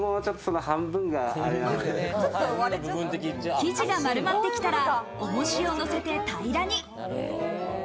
生地が丸まってきたら重しを乗せて平らに。